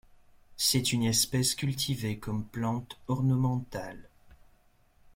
C'est une espèce cultivée comme plante ornementale.